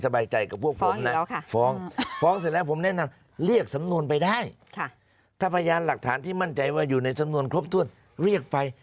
ไปได้ค่ะถ้าพยานหลักฐานที่มั่นใจว่าอยู่ในสำนวนครบถ้วนเรียกไป